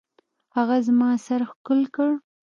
هغه زما سر ښكل كړ.